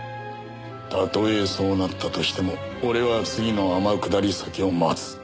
たとえそうなったとしても俺は次の天下り先を待つ。